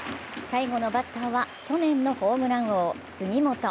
最後のバッターは去年のホームラン王・杉本。